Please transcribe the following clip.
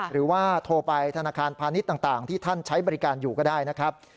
หรือว่าโทรไปธนาคารพาณิชย์ต่างที่ท่านใช้บริการอยู่ก็ได้นะครับ